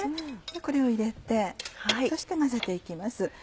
これを入れて混ぜて行きます。